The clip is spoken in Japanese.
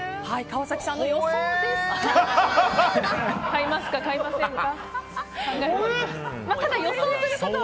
川崎さんの予想ですと。